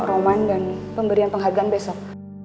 roman dan pemberian penghargaan besok